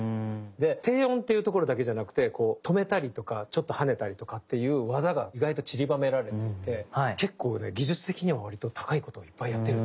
で低音っていうところだけじゃなくてこう止めたりとかちょっと跳ねたりとかっていう技が意外とちりばめられていて結構ね技術的にはわりと高いことをいっぱいやってる。